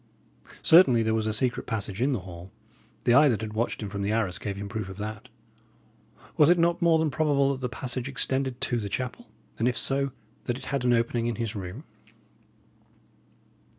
Certainly there was a secret passage in the hall; the eye that had watched him from the arras gave him proof of that. Was it not more than probable that the passage extended to the chapel, and, if so, that it had an opening in his room?